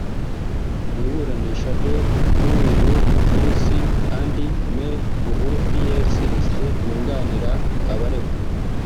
Mu iburanisha ryo kuri uyu munsi kandi Me Buhuru Pierre Celestin wunganira abaregwa